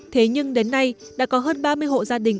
thế nhưng đến nay đã có hơn ba mươi hộ gia đình